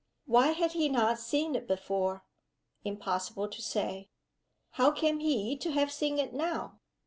Why had he not seen it before? Impossible to say. How came he to have seen it now?